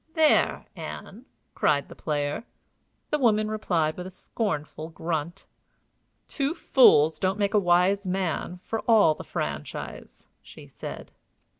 "There, Ann!" cried the player. The woman replied with a scornful grunt. "Two fools don't make a wise man, for all the franchise," she said.